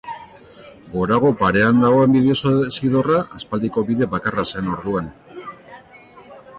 Gorago parean dagoen bidezidorra aspaldiko bide bakarra zen orduan.